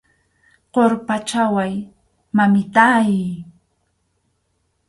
Qurpachaway, mamitáy.